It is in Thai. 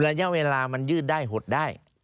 ระยะเวลามันยืดได้หดได้